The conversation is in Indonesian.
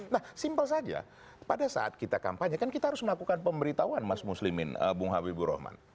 nah simpel saja pada saat kita kampanye kan kita harus melakukan pemberitahuan mas muslimin bung habibur rahman